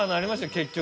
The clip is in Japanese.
結局。